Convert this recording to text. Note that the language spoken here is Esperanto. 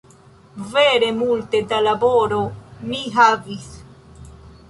Vere multe da laboro mi havis